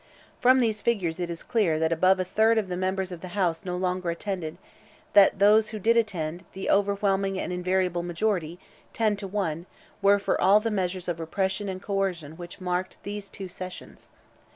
From these figures it is clear that above a third of the members of the House no longer attended; that of those who did attend, the overwhelming and invariable majority—ten to one—were for all the measures of repression and coercion which marked these two sessions.